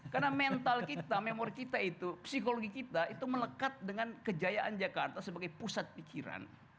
karena mental kita memori kita itu psikologi kita itu melekat dengan kejayaan jakarta sebagai pusat pikiran